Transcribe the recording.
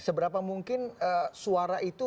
seberapa mungkin suara itu